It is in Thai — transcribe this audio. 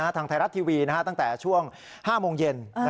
ทางไทยรัฐทีวีตั้งแต่ช่วง๕โมงเย็น